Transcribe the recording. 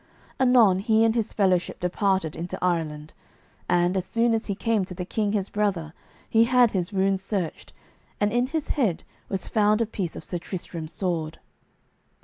Anon he and his fellowship departed into Ireland, and, as soon as he came to the king his brother, he had his wounds searched, and in his head was found a piece of Sir Tristram's sword.